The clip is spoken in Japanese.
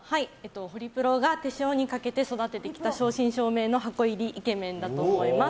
ホリプロが手塩にかけて育ててきた正真正銘の箱入りイケメンだと思います。